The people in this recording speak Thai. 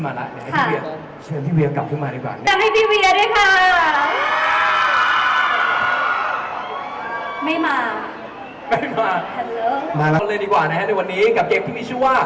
ไม่ได้ยินแต่คนเดียวแน่นอน